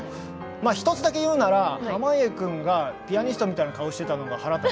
１つだけ言うなら濱家君がピアニストみたいな顔をしていたのが腹が立った。